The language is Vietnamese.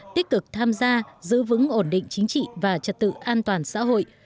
tích cực tham gia giữ vững ổn định chính trị và trật tự an toàn xã hội